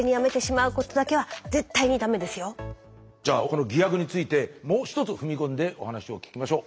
じゃあこの偽薬についてもうひとつ踏み込んでお話を聞きましょう。